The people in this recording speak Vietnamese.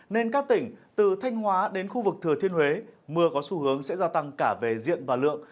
nên các tỉnh từ thanh hóa đến khu vực thừa thiên huế mưa có xu hướng sẽ gia tăng cả về diện và lượng